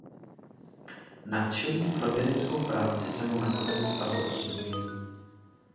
Nadšení pro vědeckou práci se mu nakonec stalo osudným.